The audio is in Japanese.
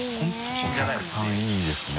お客さんいいですね